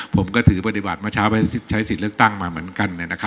ผมก็ถือปฏิบัติเมื่อเช้าไปใช้สิทธิ์เลือกตั้งมาเหมือนกัน